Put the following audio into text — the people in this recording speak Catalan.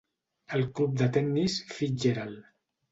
el club de tennis FitzGerald.